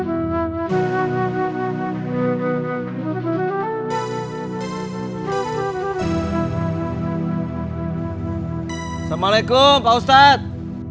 assalamualaikum pak ustadz